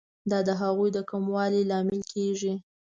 دا د هغوی د کموالي لامل کیږي.